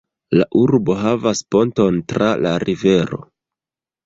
La urbo havas ponton tra la rivero.